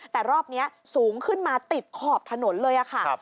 แต่รอบนี้สูงขึ้นมาติดขอบถนนเลยค่ะ